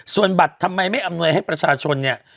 ส่วนบัตรทำไมไม่อำนวยให้ประชาชนเนี่ย